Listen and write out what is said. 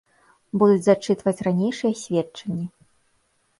Будуць зачытваць ранейшыя сведчанні.